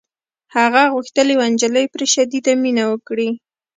هغه غوښتل یوه نجلۍ پرې شدیده مینه وکړي